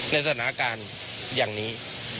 ในสถานการณ์อย่างนี้